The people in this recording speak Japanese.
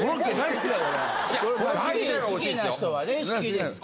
好きな人はね好きですけど。